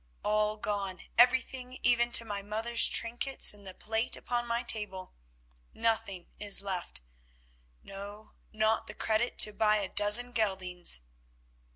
All gone, everything, even to my mother's trinkets and the plate upon my table. Nothing is left, no, not the credit to buy a dozen geldings."